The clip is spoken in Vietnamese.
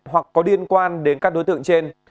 hoặc có liên quan đến các đối tượng trên